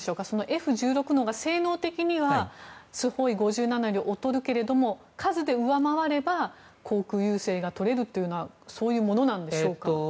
Ｆ１６のほうが性能的にはスホイ５７より劣るけれども数で上回れば航空優勢が取れるというのはそういうものなんでしょうか。